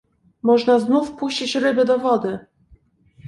"Można znów puścić ryby do wody."